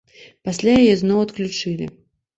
Пасля яе зноў адключылі.